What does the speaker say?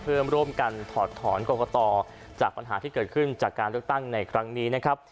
เพื่อร่วมกันถอดถอนกรกตจากปัญหาที่เกิดขึ้นจากการเลือกตั้งในครั้งนี้นะครับ